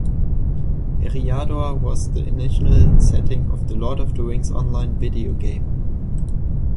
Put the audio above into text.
Eriador was the initial setting of the "Lord of the Rings Online" video game.